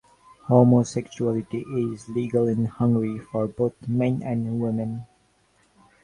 Homosexuality is legal in Hungary for both men and women.